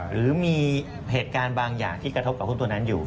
หรือมีเหตุการณ์บางอย่างที่กระทบกับหุ้นตัวนั้นอยู่